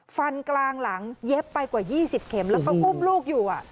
ฟันกลางหลังเย็บไปกว่า๒๐เข็มแล้วก็อุ้มลูกอยู่